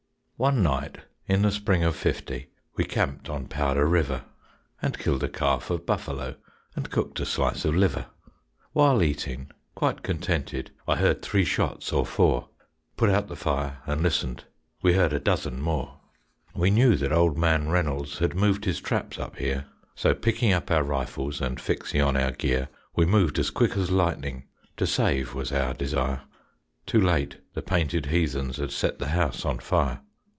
One night in the spring of fifty We camped on Powder River, And killed a calf of buffalo And cooked a slice of liver. While eating, quite contented, I heard three shots or four; Put out the fire and listened, We heard a dozen more. We knew that old man Reynolds Had moved his traps up here; So picking up our rifles And fixing on our gear We moved as quick as lightning, To save was our desire. Too late, the painted heathens Had set the house on fire.